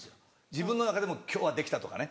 自分の中でも今日はできた！とかね。